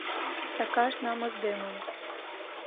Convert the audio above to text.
— Сакаш намысдымым!